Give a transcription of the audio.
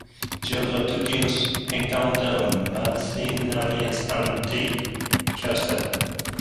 The other two teams encounter mercenaries and take casualties.